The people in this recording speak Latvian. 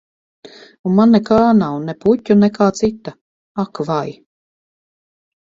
Un man nekā nav - ne puķu, ne kā cita. Ak vai.